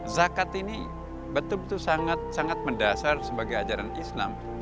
zakat ini betul betul sangat sangat mendasar sebagai ajaran islam